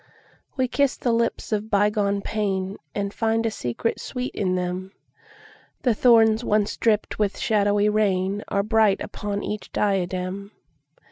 We kiss the lips of bygone painAnd find a secret sweet in them:The thorns once dripped with shadowy rainAre bright upon each diadem.